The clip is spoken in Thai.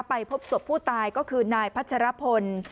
ไปพบศพผู้ตายก็คือนายพัชรพล